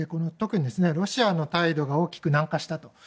特に、ロシアの態度が大きく軟化したと。